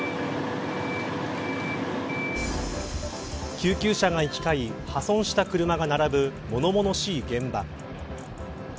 救急車が行き交い破損した車が並ぶ物々しい現場。